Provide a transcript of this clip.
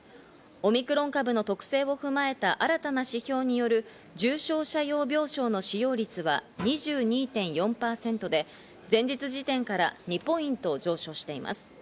オミクロン株の特性を踏まえた新たな指標による重症者用病床の使用率は２２．４％で前日時点から２ポイント上昇しています。